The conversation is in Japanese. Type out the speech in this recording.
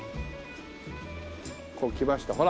こう来ましたほら。